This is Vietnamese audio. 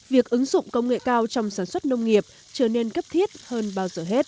việc ứng dụng công nghệ cao trong sản xuất nông nghiệp trở nên cấp thiết hơn bao giờ hết